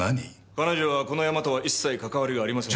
彼女はこのヤマとは一切かかわりはありません。